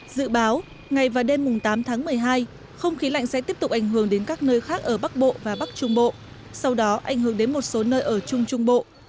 dự báo ngày và đêm tám tháng một mươi hai không khí lạnh sẽ tiếp tục ảnh hưởng đến các nơi khác ở bắc bộ và bắc trung bộ sau đó ảnh hưởng đến một số nơi ở trung trung bộ